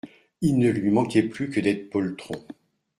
Il ne lui manquait plus que d’être poltron.